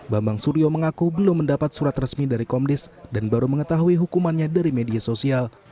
bambang suryo mengaku belum mendapat surat resmi dari komdis dan baru mengetahui hukumannya dari media sosial